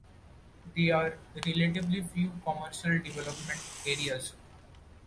There are relatively few commercial development areas.